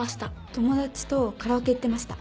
友達とカラオケ行ってました。